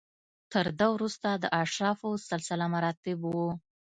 تر ده وروسته د اشرافو سلسله مراتب و